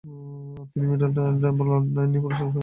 তিনি Middle Temple, লন্ডনে আইন নিয়ে পড়াশোনা করেন।